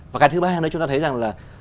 và cái thứ ba nữa chúng ta thấy rằng là